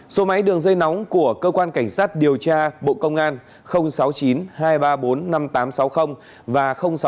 số máy đường dây nóng của cơ quan cảnh sát điều tra bộ công an sáu mươi chín hai trăm ba mươi bốn năm nghìn tám trăm sáu mươi và sáu mươi chín hai trăm ba mươi hai một nghìn sáu trăm bảy